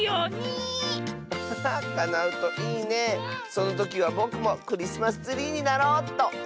そのときはぼくもクリスマスツリーになろうっと。